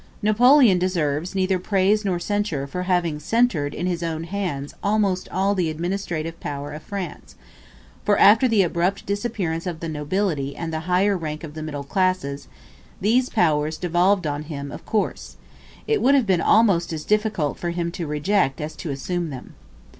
Napoleon deserves neither praise nor censure for having centred in his own hands almost all the administrative power of France; for, after the abrupt disappearance of the nobility and the higher rank of the middle classes, these powers devolved on him of course: it would have been almost as difficult for him to reject as to assume them.